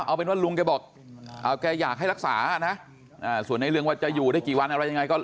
เอาเป็นว่าลุงแกบอกแกอยากให้รักษานะส่วนในเรื่องว่าจะอยู่ได้กี่วันอะไรยังไงก็